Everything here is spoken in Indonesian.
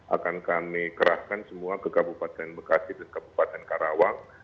akan kami kerahkan semua ke kabupaten bekasi dan kabupaten karawang